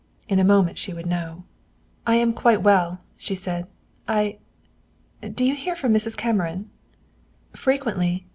In a moment she would know. "I'm quite well," she said. "I do you hear from Mrs. Cameron?" "Frequently.